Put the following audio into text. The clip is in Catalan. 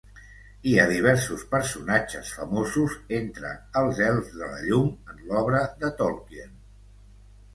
Hi ha diversos personatges famosos entre els elfs de la llum en l'obra de Tolkien.